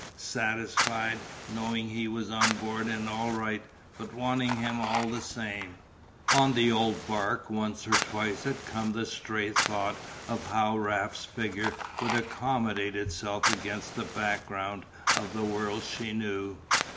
Satisfied, knowing he was on board and all right, but wanting him all the same. On the old barque once or twice had come the stray thought of how Raft's figure would accommodate itself against the background of the world she knew.